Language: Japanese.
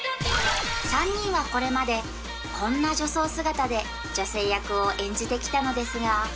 ３人はこれまでこんな女装姿で女性役を演じてきたのですが